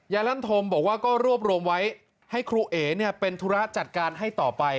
ลั่นธมบอกว่าก็รวบรวมไว้ให้ครูเอ๋เป็นธุระจัดการให้ต่อไป